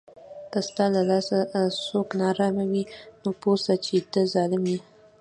که ستا له لاسه څوک ناارام وي، نو پوه سه چې ته ظالم یې